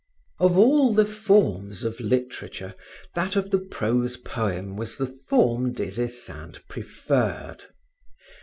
Of all the forms of literature, that of the prose poem was the form Des Esseintes preferred.